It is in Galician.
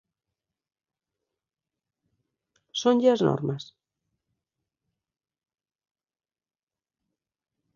_Sonlle as normas.